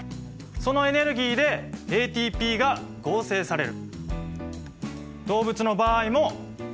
そのエネルギーでＡＴＰが合成される。